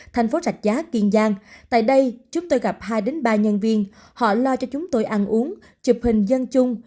thành phố rạch giá kiên giang tại đây chúng tôi gặp hai ba nhân viên họ lo cho chúng tôi ăn uống chụp hình dân chung